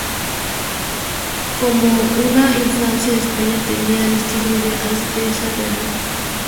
Como una infanta de España, tenía el estilo de Alteza Real.